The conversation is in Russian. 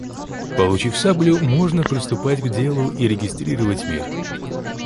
Получив саблю, можно приступать к делу и регистрировать мир.